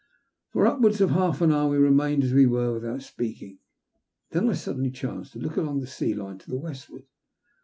For upwards of half an hour we remained as we were, without speaking. Then I suddenly chanced to look along the sea line to the westward.